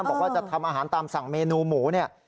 บอกว่าจะทำอาหารตามสั่งเมนูหมูเนี่ย